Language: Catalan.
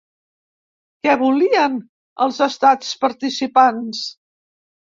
Què volien els estats participants?